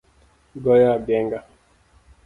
Goyo agenga